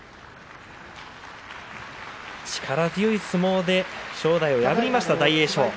力強い相撲で正代を破りました、大栄翔。